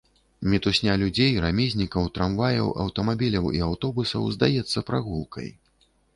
Мітусня людзей, рамізнікаў, трамваяў, аўтамабіляў і аўтобусаў здаецца прагулкай.